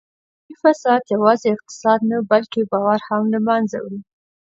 اداري فساد یوازې اقتصاد نه بلکې باور هم له منځه وړي